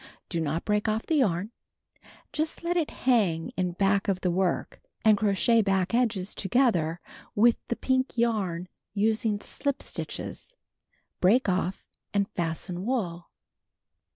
Do not break off the yarn. Just let it hang in back of the work, and crochet back edges (from A to B) together with the pink yarn, using slip stitches. Break off and fasten wool.